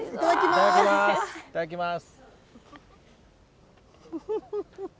いただきます。